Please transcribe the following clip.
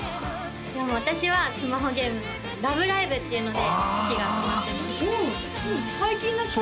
私はスマホゲームの「ラブライブ！」っていうので時が止まってます